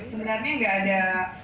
sebenarnya enggak ada